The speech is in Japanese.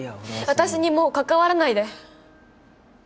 私にもう関わらないで！